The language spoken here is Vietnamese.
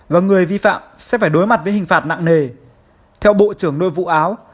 và người vi phạm sẽ phải đối mặt với hình phạt nặng nề theo bộ trưởng nội vụ áo